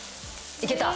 いけた？